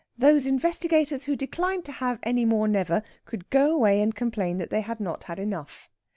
Those investigators who declined to have any more never could go away and complain that they had not had enough.